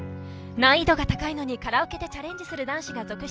難易度が高いのに、カラオケでチャレンジする男子が続出。